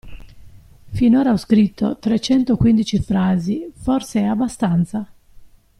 Finora ho scritto trecentoquindici frasi, forse è abbastanza?